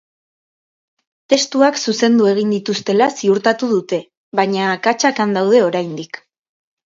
Testuak zuzendu egin dituztela ziurtatu dute, baina akatsak han daude oraindik.